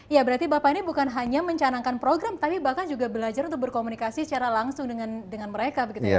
ya berarti bapak ini bukan hanya mencanangkan program tapi bahkan juga belajar untuk berkomunikasi secara langsung dengan mereka begitu ya